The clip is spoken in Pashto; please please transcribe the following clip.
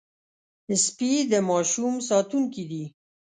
سپي د ماشوم ساتونکي دي.